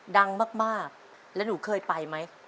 ดังมากแล้วหนูเคยไปไหม